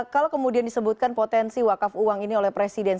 kalau kemudian disebutkan potensi wakaf uang ini oleh presiden